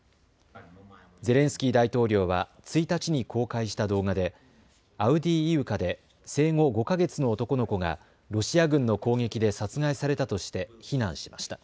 ゼレンスキー大統領は１日に公開した動画でアウディーイウカで生後５か月の男の子がロシア軍の攻撃で殺害されたとして非難しました。